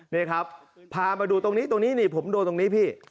นี่ครับพามาดูตรงนี้ผมดูตรงนี้พี่